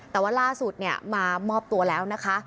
แต่ว่าล่าสุดมามอบตัวแล้วนะคะ